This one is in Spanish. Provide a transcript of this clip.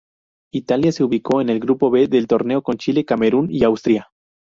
Italia se ubicó en el Grupo B del torneo con Chile, Camerún y Austria.